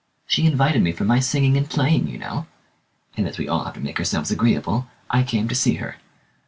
She invited me for my singing and playing, you know: and as we all have to make ourselves agreeable, I came to see her.